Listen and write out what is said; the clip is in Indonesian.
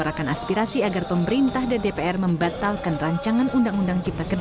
agar apa agar pemerintah benar benar mendengar